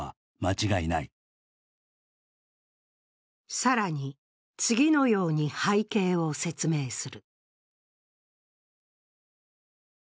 更に、次のように背景を説明する。